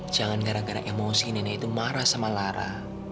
jangan gara gara emosi nenek itu marah sama lara